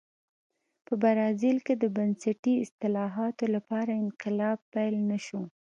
په برازیل کې د بنسټي اصلاحاتو لپاره انقلاب پیل نه شو.